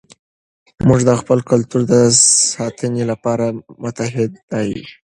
موږ د خپل کلتور د ساتنې لپاره متحد یو.